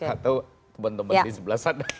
atau teman teman di sebelah sana